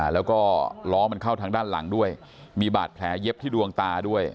แล้วก็ล้อมันเข้าทางด้านหลังด้วยมีบาดแผลเย็บที่ดวงตาด้วย